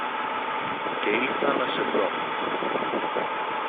και ήλθα να σε βρω.